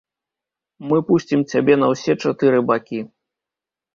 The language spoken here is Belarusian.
Мы пусцім цябе на ўсе чатыры бакі.